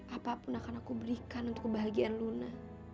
apapun akan aku berikan untuk kebahagiaan luna